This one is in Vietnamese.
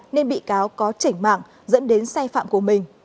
nên bị cáo có trảnh mạng dẫn đến sai phạm của mình